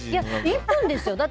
１分ですよ。